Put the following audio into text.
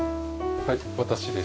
はい私です。